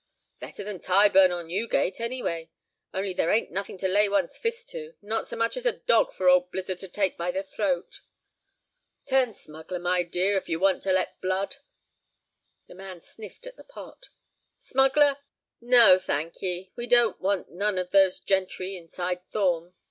"Better than Tyburn or Newgate, anyway. Only there ain't nothing to lay one's fist to; not so much as a dog for old Blizzard to take by the throat." "Turn smuggler, my dear, if you want to let blood." The man sniffed at the pot. "Smuggler? No, thank ye; we don't want none of those gentry inside Thorn.